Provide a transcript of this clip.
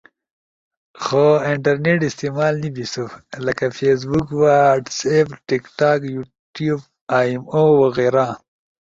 خو انٹرنیٹ استعمال نی بیسو۔ لکہ فیسبک، واٹس ایپ ، ٹک ٹاک، یوٹیوب ، آئی مو وغیرہ